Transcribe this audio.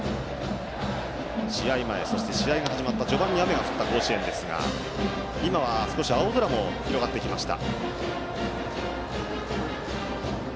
試合前、そして試合が始まった序盤に雨が降った甲子園ですが今は少し青空も広がってきました。